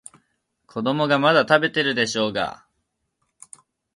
子供がまだ食べてるでしょうが。